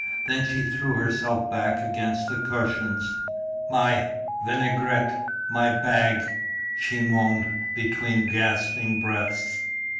Then she threw herself back against the cushions. "My vinaigrette my bag!" she moaned between gasping breaths.